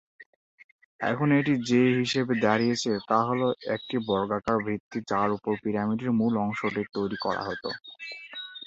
এখন এটি যে হিসেবে দাঁড়িয়েছে তা হল একটি বর্গাকার ভিত্তি যার উপর পিরামিডের মূল অংশটি তৈরি করা হত।